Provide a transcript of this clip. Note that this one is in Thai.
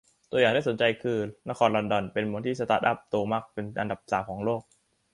ตัวอย่างที่น่าสนใจคือนครลอนดอน เป็นเมืองที่มีสตาร์ทอัพโตมากเป็นอันดับ สาม ของโลก